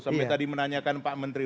sampai tadi menanyakan pak menteri